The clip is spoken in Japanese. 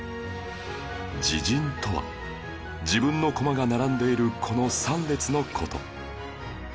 自陣とは自分の駒が並んでいるこの３列の事